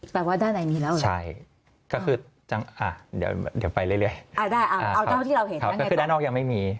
แปลว่าด้านในมีแล้วเหรอใช่ก็คืออ่ะเดี๋ยวไปเรื่อยค่ะค่ะคือด้านนอกยังไม่มี